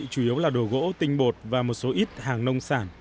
chủ yếu là đồ gỗ tinh bột và một số ít hàng nông sản